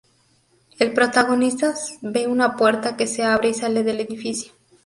El protagonista ve una puerta que se abre y sale del edificio.